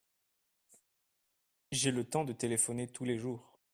J’ai le temps de téléphoner tous les jours.